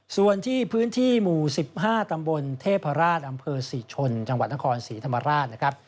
ส่วนที่พื้นที่หมู่๑๕ตำบลเทพราชอำเภอศรีชนจังหวัดนครศรีธรรมราชนะครับ